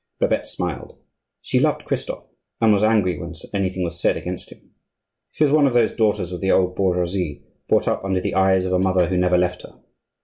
Babette smiled; she loved Christophe, and was angry when anything was said against him. She was one of those daughters of the old bourgeoisie brought up under the eyes of a mother who never left her.